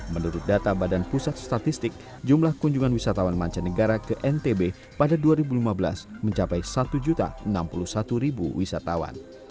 menurut data badan pusat statistik jumlah kunjungan wisatawan mancanegara ke ntb pada dua ribu lima belas mencapai satu enam puluh satu wisatawan